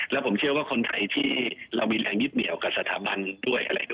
และผมเชื่อว่าคนไทยที่เรามีแหล่งยิบเหนียวกับสถาบันด้วย